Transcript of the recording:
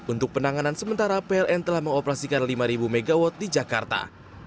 untuk penanganan sementara pln telah mengoperasikan lima mw di jakarta